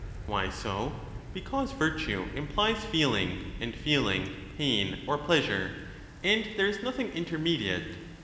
Why so ? Because virtue implies feeling, and feel ing pain or pleasure, and there is nothing intermediate.